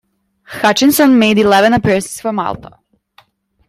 Hutchinson made eleven appearances for Malta.